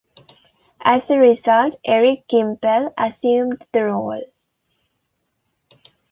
As a result, Erica Gimpel assumed the role.